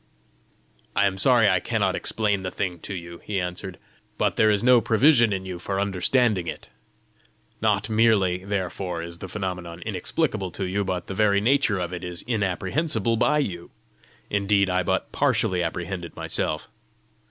"I am sorry I cannot explain the thing to you," he answered; "but there is no provision in you for understanding it. Not merely, therefore, is the phenomenon inexplicable to you, but the very nature of it is inapprehensible by you. Indeed I but partially apprehend it myself.